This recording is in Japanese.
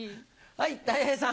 はいたい平さん。